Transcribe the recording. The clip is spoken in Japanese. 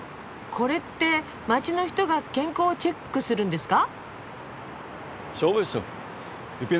これって街の人が健康をチェックするんですか？